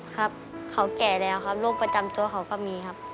ครับเขาแก่แล้วครับโรคประจำตัวเขาก็มีครับ